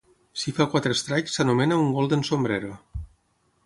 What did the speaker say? Si fa quatre strikes, s'anomena un "golden sombrero".